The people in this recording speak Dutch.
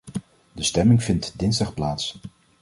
De stemming vindt dinsdag plaats.